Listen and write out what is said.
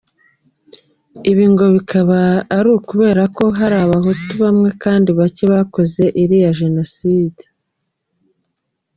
Ibi, ngo bikaba ari ukubera ko hari Abahutu bamwe kandi bacye, bakoze iriya genocide!